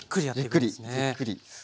じっくりじっくり。